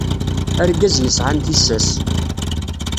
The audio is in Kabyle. Argaz yesɛan tissas.